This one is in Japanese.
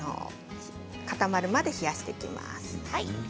固まるまで冷やしていきます。